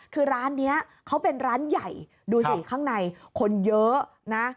คือร้านนี้เขาเป็นร้านใหญ่ดูสิข้างในคนเยอะนะ